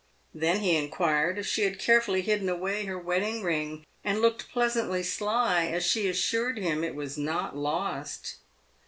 Then he inquired if she had carefully hidden away her wedding ring, and looked pleasantly sly as she assured him it was not lost.